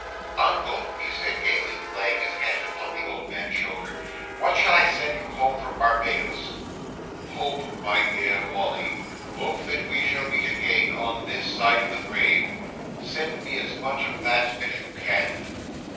"Uncle," he said gaily, laying his hand upon the old man's shoulder, "what shall I send you home from Barbados?" "Hope, my dear Wally. Hope that we shall meet again, on this side of the grave. Send me as much of that as you can."